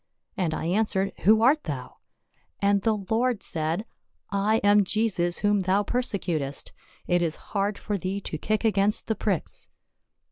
and I answered, Who art thou ? And the Lord said, * I am Jesus whom thou perse cutest ; it is hard for thee to kick against the pricks.'